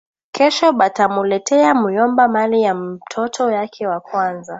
Kesho batamuletea muyomba mali ya mtoto yake wa kwanza